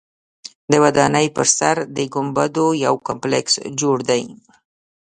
د ودانۍ پر سر د ګنبدونو یو کمپلیکس جوړ دی.